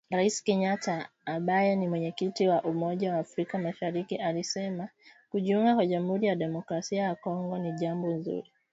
Rais Kenyatta ambaye ni Mwenyekiti wa umoja wa afrika mashariki alisema kujiunga kwa Jamuhuri ya Demokrasia ya Kongo ni jambo zuri